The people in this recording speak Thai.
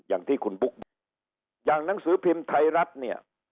อย่างที่คุณบุ๊กบอกอย่างหนังสือพิมพ์ไทยรัฐเนี่ย